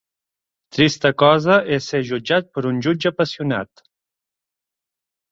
Trista cosa és ser jutjat per un jutge apassionat.